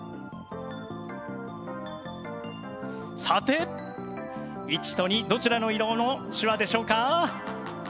さて１と２どちらの色の手話でしょうか？